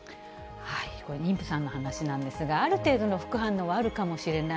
妊婦さんの話なんですが、ある程度の副反応はあるかもしれない。